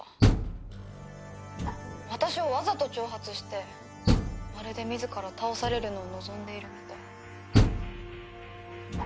私をわざと挑発してまるで自ら倒されるのを望んでいるみたい。